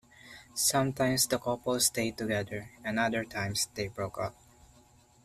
Sometimes the couples stayed together, and other times they broke up.